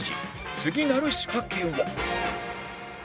次なる仕掛けは